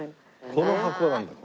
この箱なんだよ。